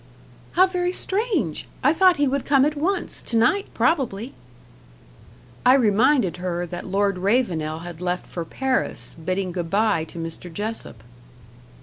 "How very strange! I thought he would come at once to night, probably." I reminded her that Lord Ravenel had left for Paris, bidding goodbye to Mr. Jessop.